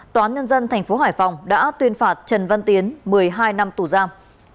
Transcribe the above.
tòa án nhân dân tp hải phòng đã tuyên phạt trần văn tiến một mươi hai năm tù giam